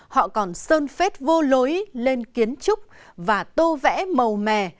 họ còn sơn phết vô lối lên kiến trúc và tô vẽ màu mè